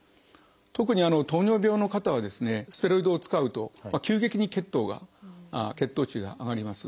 特に糖尿病の方はステロイドを使うと急激に血糖値が上がります。